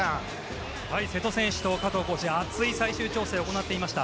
瀬戸選手と加藤コーチ熱い最終調整を行っていました。